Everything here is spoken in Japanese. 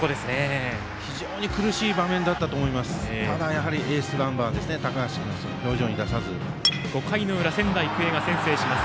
非常に苦しい場面だったと思いますがただ、エースナンバーの高橋君５回の裏仙台育英が先制します。